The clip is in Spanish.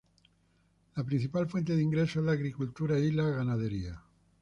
La principal fuente de ingresos es la agricultura y la ganadería.